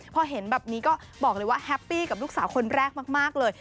พอเห็นแบบนี้ก็บอกเลยว่าแฮปปี้กับลูกสาวคนแรกมากเลย